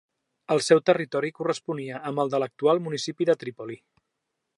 El seu territori corresponia amb el de l'actual municipi de Trípoli.